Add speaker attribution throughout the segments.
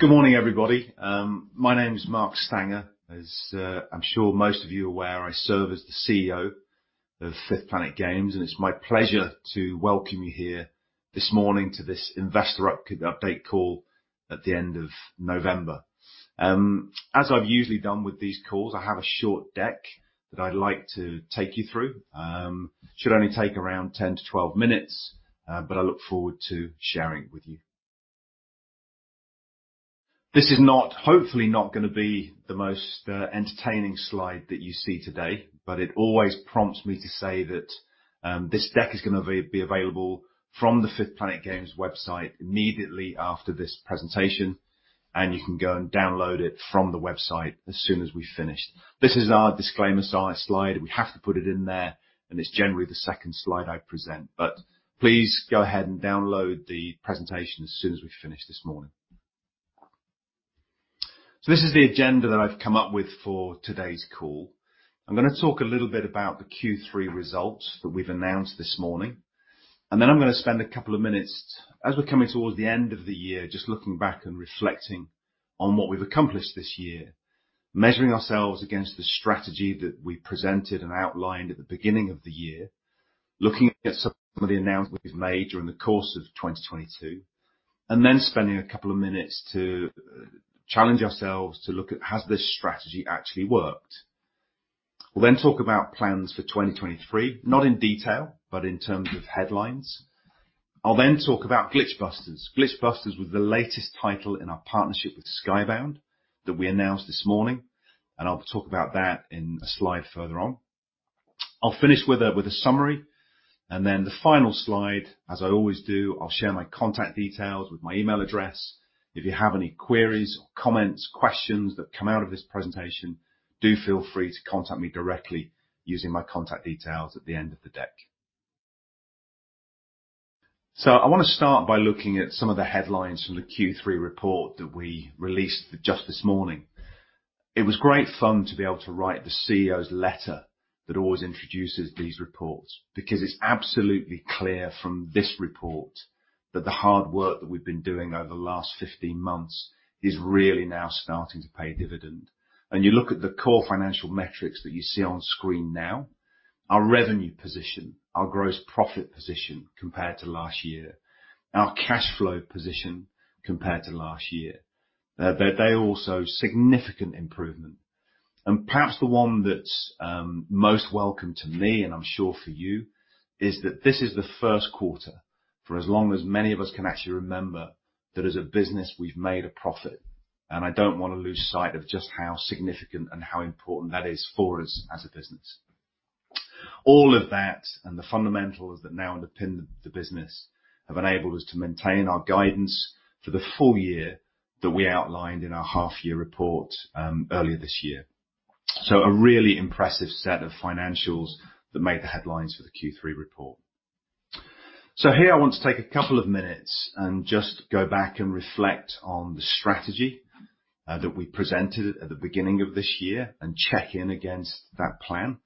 Speaker 1: Good morning, everybody. My name's Mark Stanger. As I'm sure most of you are aware, I serve as the CEO of 5th Planet Games, and it's my pleasure to welcome you here this morning to this investor update call at the end of November. As I've usually done with these calls, I have a short deck that I'd like to take you through. Should only take around 10 to 12 minutes, but I look forward to sharing it with you. This is not hopefully not gonna be the most entertaining slide that you see today, but it always prompts me to say that this deck is gonna be available from the 5th Planet Games website immediately after this presentation, and you can go and download it from the website as soon as we've finished. This is our disclaimer-style slide. We have to put it in there, and it's generally the second slide I present. Please go ahead and download the presentation as soon as we've finished this morning. This is the agenda that I've come up with for today's call. I'm gonna talk a little bit about the Q3 results that we've announced this morning. Then I'm gonna spend a couple of minutes, as we're coming towards the end of the year, just looking back and reflecting on what we've accomplished this year, measuring ourselves against the strategy that we presented and outlined at the beginning of the year, looking at some of the announcements we've made during the course of 2022, and then spending a couple of minutes to challenge ourselves to look at has this strategy actually worked. We'll talk about plans for 2023, not in detail, but in terms of headlines. I'll talk about Glitch Busters. Glitch Busters was the latest title in our partnership with Skybound Entertainment that we announced this morning. I'll talk about that in a slide further on. I'll finish with a summary. The final slide, as I always do, I'll share my contact details with my email address. If you have any queries or comments, questions that come out of this presentation, do feel free to contact me directly using my contact details at the end of the deck. I wanna start by looking at some of the headlines from the Q3 report that we released just this morning. It was great fun to be able to write the CEO's letter that always introduces these reports, because it's absolutely clear from this report that the hard work that we've been doing over the last 15 months is really now starting to pay dividend. You look at the core financial metrics that you see on screen now, our revenue position, our gross profit position compared to last year, our cash flow position compared to last year, they all show significant improvement. Perhaps the one that's most welcome to me, and I'm sure for you, is that this is the first quarter for as long as many of us can actually remember that as a business we've made a profit, and I don't wanna lose sight of just how significant and how important that is for us as a business. All of that and the fundamentals that now underpin the business have enabled us to maintain our guidance for the full year that we outlined in our half year report earlier this year. A really impressive set of financials that made the headlines for the Q3 report. Here I want to take a couple of minutes and just go back and reflect on the strategy that we presented at the beginning of this year and check in against that plan.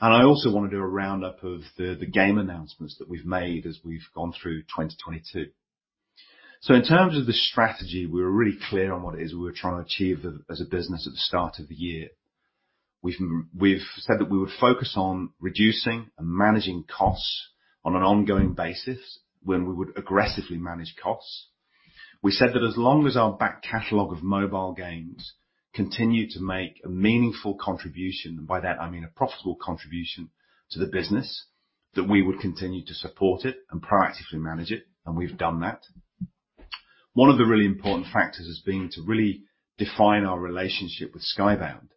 Speaker 1: I also wanna do a roundup of the game announcements that we've made as we've gone through 2022. In terms of the strategy, we were really clear on what it is we were trying to achieve as a business at the start of the year. We've said that we would focus on reducing and managing costs on an ongoing basis when we would aggressively manage costs. We said that as long as our back catalog of mobile games continued to make a meaningful contribution, and by that I mean a profitable contribution to the business, that we would continue to support it and proactively manage it, and we've done that. One of the really important factors has been to really define our relationship with Skybound,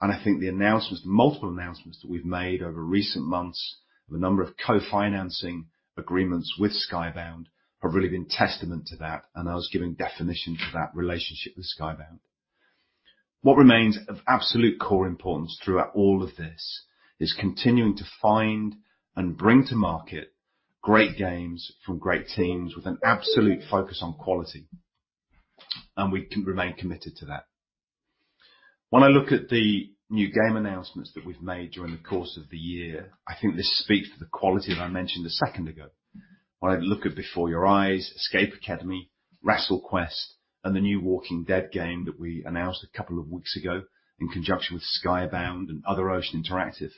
Speaker 1: and I think the announcements, multiple announcements that we've made over recent months of a number of co-financing agreements with Skybound have really been testament to that, and that was giving definition to that relationship with Skybound. What remains of absolute core importance throughout all of this is continuing to find and bring to market great games from great teams with an absolute focus on quality, and we remain committed to that. When I look at the new game announcements that we've made during the course of the year, I think this speaks for the quality that I mentioned a second ago. When I look at Before Your Eyes, Escape Academy, WrestleQuest, and the new Walking Dead game that we announced a couple of weeks ago in conjunction with Skybound and Other Ocean Interactive,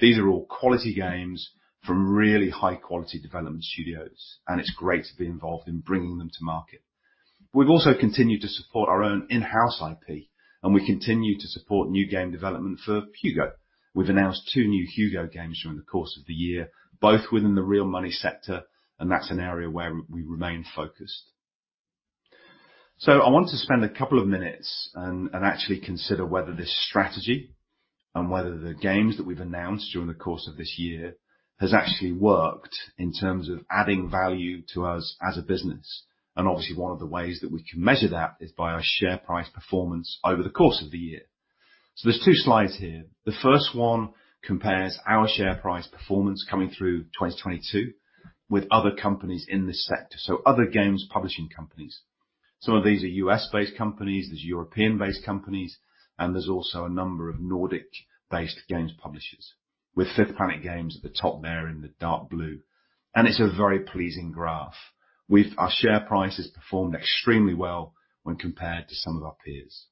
Speaker 1: these are all quality games from really high quality development studios, and it's great to be involved in bringing them to market. We've also continued to support our own in-house IP, and we continue to support new game development for Hugo. We've announced two new Hugo games during the course of the year, both within the real money sector, and that's an area where we remain focused. I want to spend a couple of minutes and actually consider whether this strategy and whether the games that we've announced during the course of this year has actually worked in terms of adding value to us as a business. Obviously, one of the ways that we can measure that is by our share price performance over the course of the year. There's two slides here. The first one compares our share price performance coming through 2022 with other companies in this sector, so other games publishing companies. Some of these are U.S.-based companies, there's European-based companies. There's also a number of Nordic-based games publishers. With 5th Planet Games at the top there in the dark blue, it's a very pleasing graph. Our share price has performed extremely well when compared to some of our peers.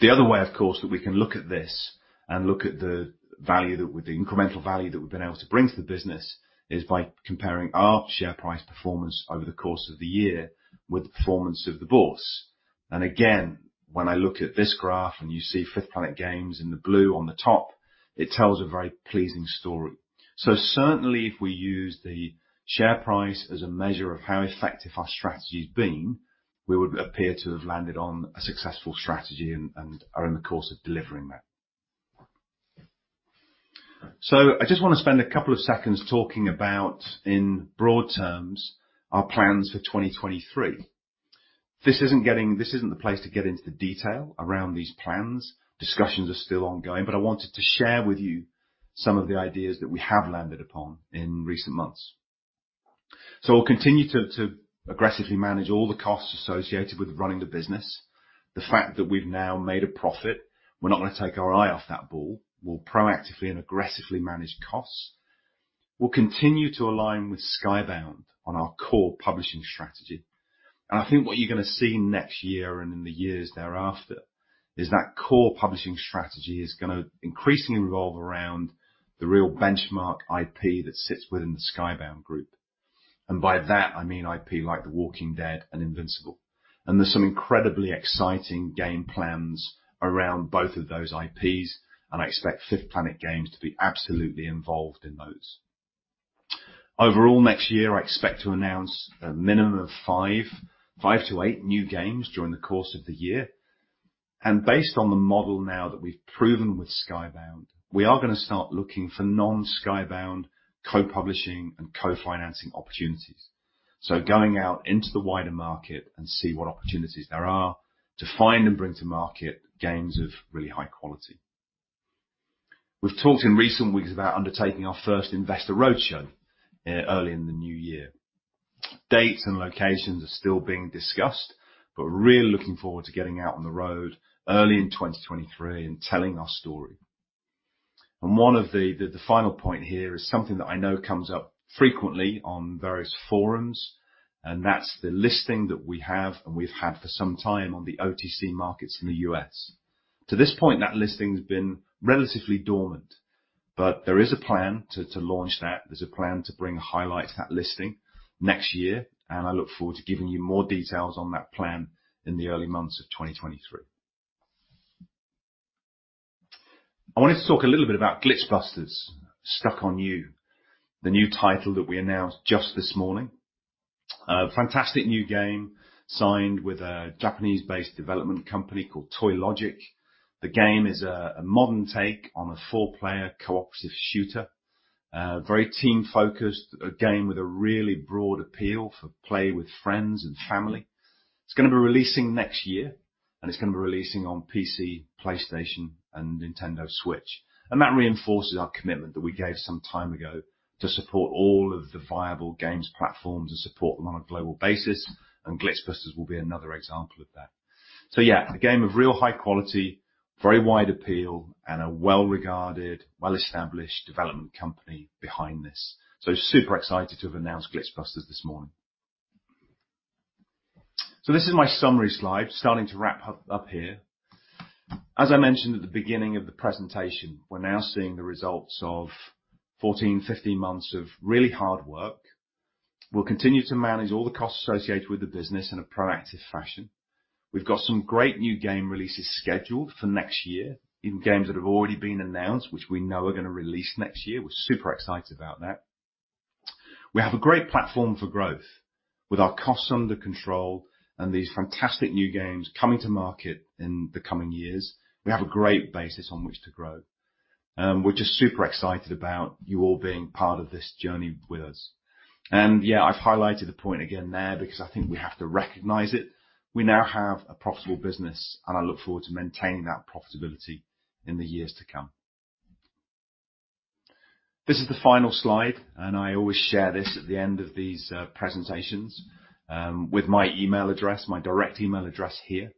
Speaker 1: The other way, of course, that we can look at this and look at the incremental value that we've been able to bring to the business is by comparing our share price performance over the course of the year with the performance of the bourse. Again, when I look at this graph and you see 5th Planet Games in the blue on the top, it tells a very pleasing story. Certainly if we use the share price as a measure of how effective our strategy's been, we would appear to have landed on a successful strategy and are in the course of delivering that. I just wanna spend a couple of seconds talking about, in broad terms, our plans for 2023. This isn't the place to get into the detail around these plans. Discussions are still ongoing, I wanted to share with you some of the ideas that we have landed upon in recent months. We'll continue to aggressively manage all the costs associated with running the business. The fact that we've now made a profit, we're not gonna take our eye off that ball. We'll proactively and aggressively manage costs. We'll continue to align with Skybound on our core publishing strategy. I think what you're gonna see next year and in the years thereafter is that core publishing strategy is gonna increasingly revolve around the real benchmark IP that sits within the Skybound group. By that, I mean IP like The Walking Dead and Invincible. There's some incredibly exciting game plans around both of those IPs, and I expect 5th Planet Games to be absolutely involved in those. Overall, next year, I expect to announce a minimum of five to eight new games during the course of the year. Based on the model now that we've proven with Skybound, we are gonna start looking for non-Skybound co-publishing and co-financing opportunities. Going out into the wider market and see what opportunities there are to find and bring to market games of really high quality. We've talked in recent weeks about undertaking our first investor roadshow, early in the new year. Dates and locations are still being discussed, but we're really looking forward to getting out on the road early in 2023 and telling our story. One of the final point here is something that I know comes up frequently on various forums, and that's the listing that we have and we've had for some time on the OTC markets in the U.S. To this point, that listing's been relatively dormant, but there is a plan to launch that. There's a plan to bring a highlight to that listing next year, and I look forward to giving you more details on that plan in the early months of 2023. I wanted to talk a little bit about Glitch Busters: Stuck on You, the new title that we announced just this morning. A fantastic new game signed with a Japanese-based development company called Toylogic. The game is a modern take on a four-player cooperative shooter. Very team-focused, a game with a really broad appeal for play with friends and family. It's gonna be releasing next year, and it's gonna be releasing on PC, PlayStation, and Nintendo Switch. That reinforces our commitment that we gave some time ago to support all of the viable games platforms and support them on a global basis, and Glitch Busters will be another example of that. Yeah, a game of real high quality, very wide appeal, and a well-regarded, well-established development company behind this. Super excited to have announced Glitch Busters this morning. This is my summary slide, starting to wrap up here. As I mentioned at the beginning of the presentation, we're now seeing the results of 14, 15 months of really hard work. We'll continue to manage all the costs associated with the business in a proactive fashion. We've got some great new game releases scheduled for next year in games that have already been announced, which we know are gonna release next year. We're super excited about that. We have a great platform for growth with our costs under control and these fantastic new games coming to market in the coming years. We have a great basis on which to grow. We're just super excited about you all being part of this journey with us. Yeah, I've highlighted the point again there because I think we have to recognize it. We now have a profitable business. I look forward to maintaining that profitability in the years to come. This is the final slide. I always share this at the end of these presentations with my email address, my direct email address here.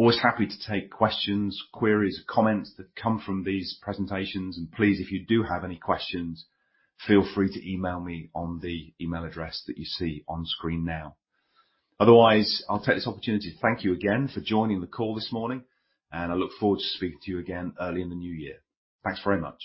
Speaker 1: Always happy to take questions, queries, or comments that come from these presentations. Please, if you do have any questions, feel free to email me on the email address that you see on screen now. Otherwise, I'll take this opportunity to thank you again for joining the call this morning, and I look forward to speaking to you again early in the new year. Thanks very much.